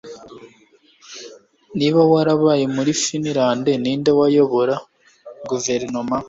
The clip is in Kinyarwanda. Niba warabaye muri finilande ninde wayobora guverinoma?